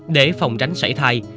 để phòng tránh sợi thai